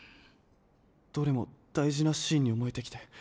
どれもだいじなシーンにおもえてきて。